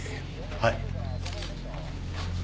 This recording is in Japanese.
はい。